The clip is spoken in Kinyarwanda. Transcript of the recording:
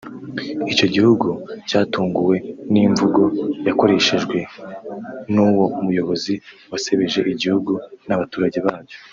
Icyo gihugu cyatunguwe n’imvugo yakoreshwejwe n’uwo muyobozi wasebeje igihugu n’abaturage bacyo